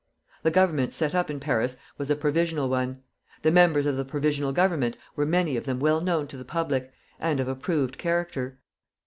The government set up in Paris was a provisional one. The members of the Provisional Government were many of them well known to the public, and of approved character.